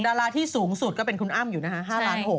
ดาราที่สูงสุดก็เป็นคุณอ้ำอยู่นะคะ